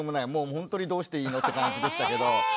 ほんとにどうしていいの？って感じでしたけど。